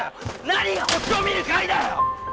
なにが星を見る会だよ！